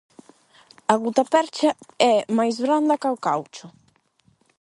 A gutapercha é máis branda ca o caucho.